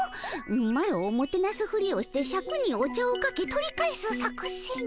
マロをもてなすふりをしてシャクにお茶をかけ取り返す作戦？